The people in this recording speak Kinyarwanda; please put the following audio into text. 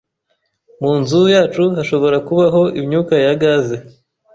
Mu nzu yacu hashobora kubaho imyuka ya gaze.